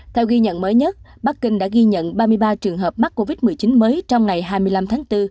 theo ghi nhận mới nhất bắc kinh đã ghi nhận ba mươi ba trường hợp mắc covid một mươi chín mới trong ngày hai mươi năm tháng bốn